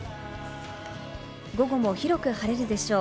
午後も広く晴れるでしょう。